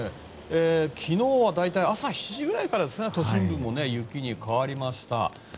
昨日は大体朝７時ぐらいから都心部も雪に変わりました。